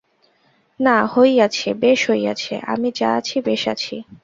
না হইয়াছে, বেশ হইয়াছে–আমি যা আছি, বেশ আছি।